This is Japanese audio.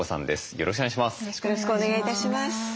よろしくお願いします。